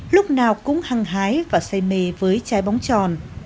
lúc nào cũng hăng hái và say mê với trái bóng tròn